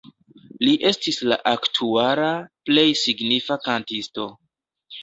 Li estis la aktuala plej signifa kantisto.